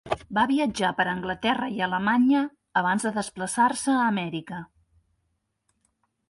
Va viatjar per Anglaterra i Alemanya abans de desplaçar-se a Amèrica.